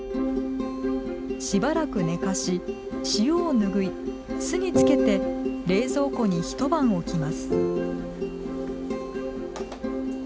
しばらく寝かし、塩をぬぐい酢に浸けて冷蔵庫に一晩置きます。